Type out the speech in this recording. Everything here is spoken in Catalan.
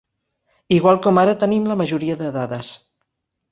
Igual com ara tenim la majoria de dades.